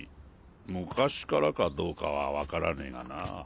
昔からかどうかは分からねえがな。